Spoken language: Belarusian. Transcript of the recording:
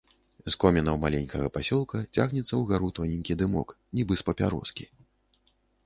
З комінаў маленькага пасёлка цягнецца ўгару тоненькі дымок, нібы з папяроскі.